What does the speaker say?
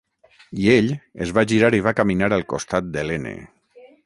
I ell es va girar i va caminar al costat d'Helene.